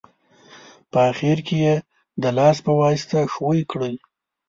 په اخیر کې یې د لاس په واسطه ښوي کړئ.